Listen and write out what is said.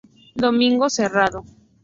Domingo: Cerrado.